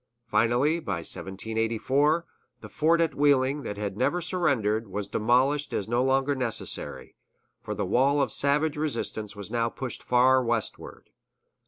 Finally, by 1784, the fort at Wheeling, that had never surrendered, was demolished as no longer necessary, for the wall of savage resistance was now pushed far westward.